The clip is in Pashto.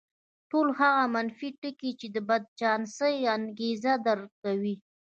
ټول هغه منفي ټکي چې د بدچانسۍ انګېزه درکوي.